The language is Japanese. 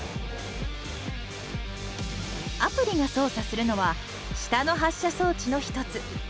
アプリが操作するのは下の発射装置の１つ。